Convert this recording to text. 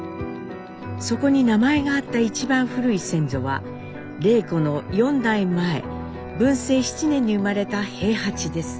そこに名前があった一番古い先祖は礼子の４代前文政七年に生まれた兵八です。